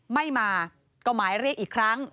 ไม่มาก็หมายเรียกอีกครั้ง